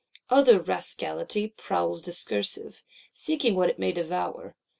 Other Rascality prowls discursive; seeking what it may devour.